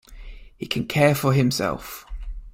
He can care for himself.